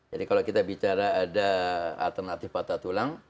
jadi kalau kita bicara ada alternatif patah tulang